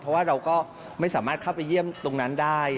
เพราะว่าเราก็ไม่สามารถเข้าไปเยี่ยมตรงนั้นได้